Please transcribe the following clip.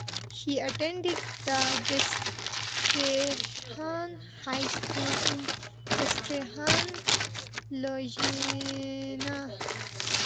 He attended the Destrehan High School in Destrehan, Louisiana.